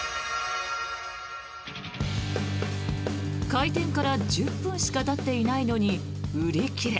開店から１０分しかたっていないのに売り切れ。